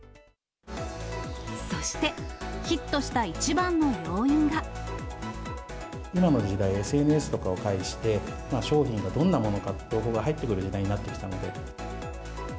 そして、今の時代、ＳＮＳとかを介して、商品がどんなものか、情報が入ってくる時代になってきたので。